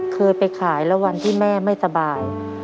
เคยไปขายแล้ววันที่แม่ไม่สบาย